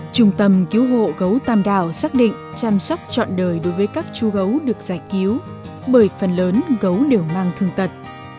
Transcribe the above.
trung tâm cứu hộ gấu tam đào xác định chăm sóc trọn đời đối với các chú gấu được giải cứu bởi phần lớn gấu đều mang thương tật